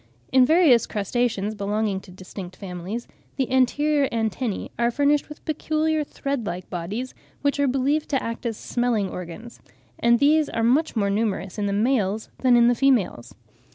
In various crustaceans, belonging to distinct families, the anterior antennae are furnished with peculiar thread like bodies, which are believed to act as smelling organs, and these are much more numerous in the males than in the females.